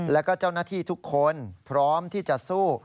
แล้วก็เจ้าหน้าที่ทุกคนพร้อมที่จะสู้